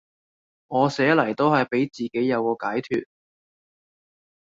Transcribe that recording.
我寫嚟都係俾自己有個解脫